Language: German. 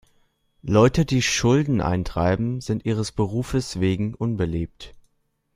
Leute, die Schulden eintreiben, sind ihres Berufes wegen unbeliebt.